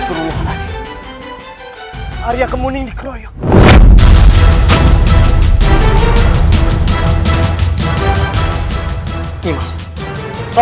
semoga allah selalu melindungi kita